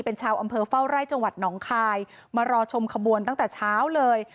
เป็นชาวอำเภอเฝ้าไร่จังหวัดหนองคายมารอชมขบวนตั้งแต่เช้าเลย